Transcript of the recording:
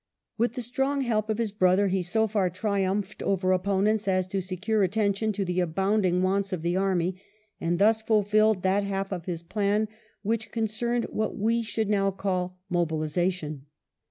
With the strong help of his brother he so far triumphed over opponents as to secure attention to the abounding wants of the army, and thus fulfilled that half of his plan which concerned what we should now call mobilisation.